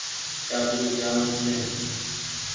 چآٻي جآم ڇي۔